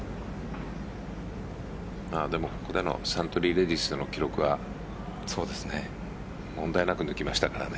サントリーレディスでの記録は問題なく抜きましたからね。